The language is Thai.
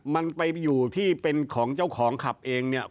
มันไปอยู่ที่เป็นของเจ้าของขับเองเนี่ย